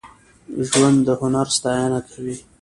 ژوندي د هنر ستاینه کوي